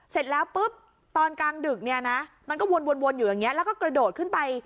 เสร็จแล้วปุ๊บตอนกลางดึกเนี่ยนะมันก็วนอยู่อย่างนี้แล้วก็กระโดดขึ้นไป